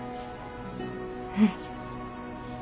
うん。